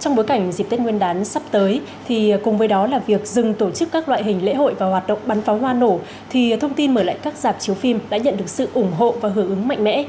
trong bối cảnh dịp tết nguyên đán sắp tới cùng với đó là việc dừng tổ chức các loại hình lễ hội và hoạt động bắn pháo hoa nổ thì thông tin mở lại các dạp chiếu phim đã nhận được sự ủng hộ và hưởng ứng mạnh mẽ